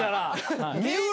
三浦